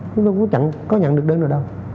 chúng tôi cũng chẳng có nhận được đơn ở đâu